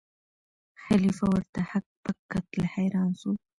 خلیفه ورته هک پک کتل حیران سو